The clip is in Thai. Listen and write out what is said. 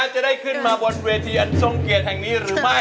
จะได้ขึ้นมาบนเวทีอันทรงเกียรติแห่งนี้หรือไม่